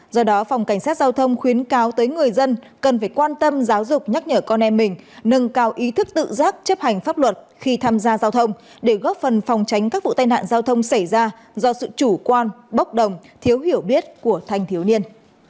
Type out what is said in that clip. do đó phòng cảnh sát giao thông khuyến cáo tới người dân cần phải quan tâm giáo dục nhắc nhở con em mình nâng cao ý thức tự giác chấp hành pháp luật khi tham gia giao thông để góp phần phòng tránh các vụ tai nạn giao thông xảy ra do sự chủ quan bốc đồng thiếu hiểu biết của thanh thiếu niên